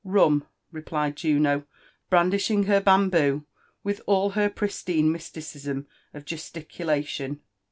"Rum!" replied Juno, brandishing her bamboo with all her pris tine mysticism of gesticulation.